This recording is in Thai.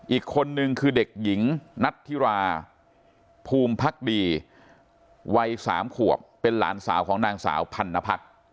อีกคนนึงคือเด็กหญิงนัทธิราภูมิพักดีวัย๓ขวบเป็นหลานสาวของนางสาวพันนพัฒน์